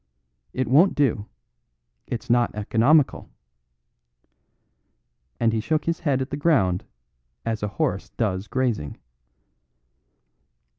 It won't do. It's not economical." And he shook his head at the ground as a horse does grazing.